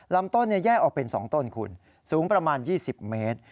ลำต้นแยกออกเป็น๒ต้นคุณสูงประมาณ๒๐เมตร